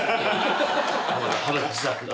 浜田さんが！